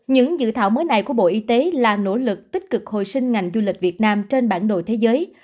những dự thảo mới này của bộ y tế là nỗ lực tích cực hồi sinh ngành du lịch việt nam trên bản đồ thế giới